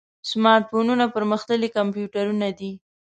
سمارټ فونونه پرمختللي کمپیوټرونه دي.